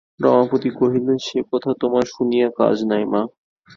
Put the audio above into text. রমাপতি কহিলেন, সে-কথা তোমার শুনিয়া কাজ নাই, মা।